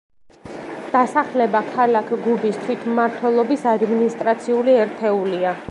დასახლება ქალაქ გუბის თვითმმართველობის ადმინისტრაციული ერთეულია.